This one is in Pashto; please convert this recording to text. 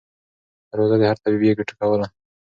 دروازه د هر طبیب یې ټکوله